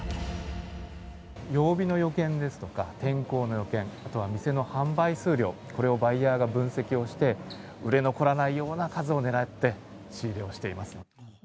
曜日の予見ですとか、天候の予見、あとは店の販売数量、これをバイヤーが分析をして、売れ残らないような数をねらって、仕入れをしています。